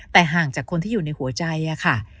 แต่ห่างจากคนที่อยู่ในหัวใจค่ะ